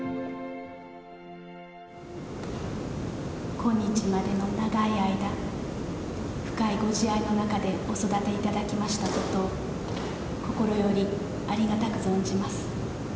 今日までの長い間、深いご慈愛の中でお育ていただきましたことを、心よりありがたく存じます。